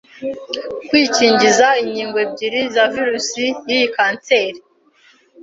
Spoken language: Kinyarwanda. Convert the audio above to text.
kwikingiza inkingo ebyiri za virusi y'iyi kanseri.